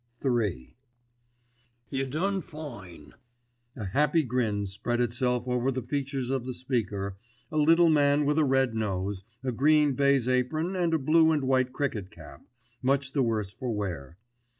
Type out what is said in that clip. *III* "You done fine!" A happy grin spread itself over the features of the speaker, a little man with a red nose, a green baize apron and a blue and white cricket cap, much the worse for wear.